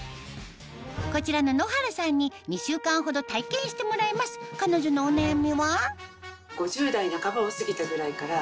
こちらの野原さんに２週間ほど体験してもらいます彼女のお悩みは？